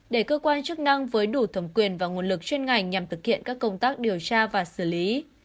để cơ quan chức năng với đủ thẩm quyền và nguồn lực chuyên ngành nhằm thực hiện các công tác điều tra và xử lý